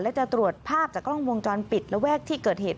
และจะตรวจภาพจากกล้องวงจรปิดระแวกที่เกิดเหตุ